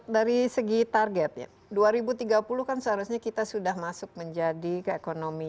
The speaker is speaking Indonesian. dari segi targetnya dua ribu tiga puluh kan seharusnya kita sudah masuk menjadi ke ekonomi nomor sepuluh